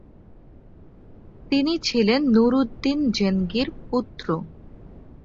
তিনি ছিলেন নুরউদ্দিন জেনগির পুত্র।